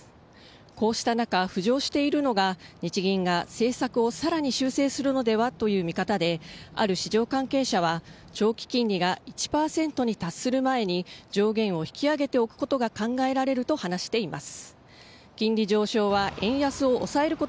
こうした中、浮上しているのが、日銀が政策をさらに修正するのではという見方で、ある市場関係者は、長期金利が１％に達する前に、上限を引き上げておくことが考えられると話しています。